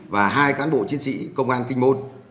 và hai cán bộ chiến sĩ công an kinh môn